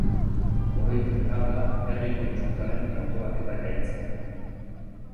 Oroitu behar da herri kontsultaren antolaketa gaitza.